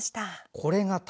これが竹！